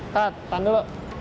cut tan dulu